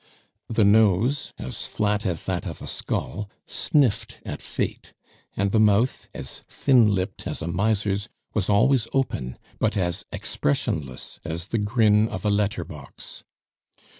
The nose, as flat as that of a skull, sniffed at fate; and the mouth, as thin lipped as a miser's, was always open, but as expressionless as the grin of a letterbox.